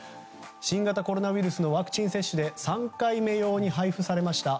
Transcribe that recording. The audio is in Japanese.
新型コロナウイルスのワクチン接種で３回目用に配布されました